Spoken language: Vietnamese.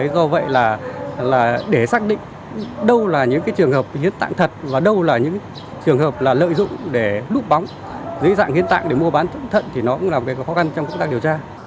do vậy là để xác định đâu là những trường hợp hiến tạng thật và đâu là những trường hợp là lợi dụng để núp bóng dưới dạng hiến tạng để mua bán thận thì nó cũng là việc khó khăn trong công tác điều tra